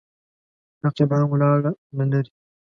رقیبان ولاړ له لرې.